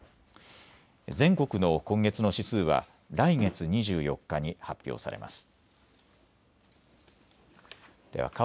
全国の今月の指数は来月２４日に発表されます。